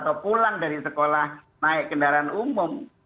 atau pulang dari sekolah naik kendaraan umum